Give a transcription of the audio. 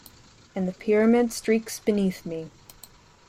And the pyramid streaks beneath me.